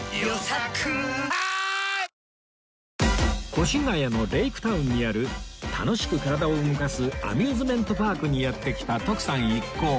越谷のレイクタウンにある楽しく体を動かすアミューズメントパークにやって来た徳さん一行